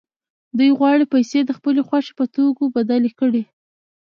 دوی غواړي پیسې د خپلې خوښې په توکو بدلې کړي